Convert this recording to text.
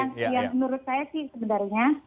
ini yang menurut saya sih sebenarnya